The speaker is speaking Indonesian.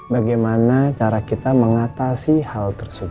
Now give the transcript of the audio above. bagaimana cara kita mengatasi hal tersebut